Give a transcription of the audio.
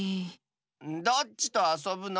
どっちとあそぶの？